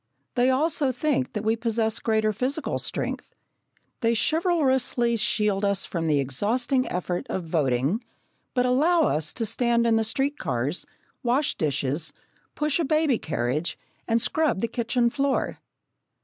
They also think that we possess greater physical strength. They chivalrously shield us from the exhausting effort of voting, but allow us to stand in the street cars, wash dishes, push a baby carriage, and scrub the kitchen floor.